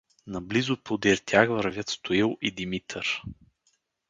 Наблизо подир тях вървят Стоил и Димитър.